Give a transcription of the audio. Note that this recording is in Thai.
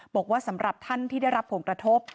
บอกว่าสำหรับท่านที่ได้รับผลกระทบ